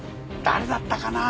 誰だったかな？